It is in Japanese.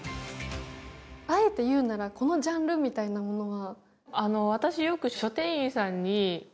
あえて言うならこのジャンルみたいなものは？